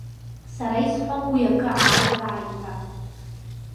Сара исҳәом уи акы ааигааит ҳәа.